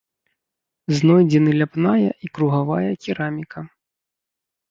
Знойдзены ляпная і кругавая кераміка.